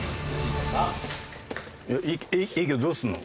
いいけどどうするの？